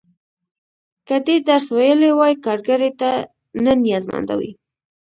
که دې درس ویلی وای، کارګرۍ ته نه نیازمنده وې.